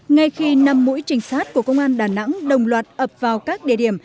ngay khi năm mũi trình sát của công an đà nẵng đồng loạt ập vào các địa điểm